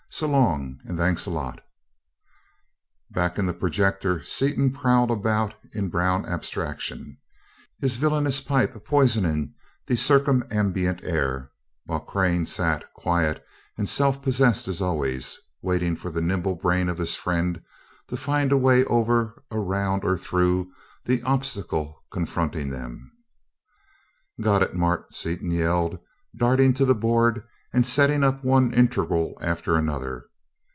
So long, and thanks a lot." Back in the projector Seaton prowled about in brown abstraction, his villainous pipe poisoning the circumambient air, while Crane sat, quiet and self possessed as always, waiting for the nimble brain of his friend to find a way over, around, or through the obstacle confronting them. "Got it, Mart!" Seaton yelled, darting to the board and setting up one integral after another.